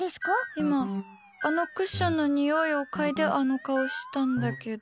今あのクッションのにおいをかいであの顔したんだけど。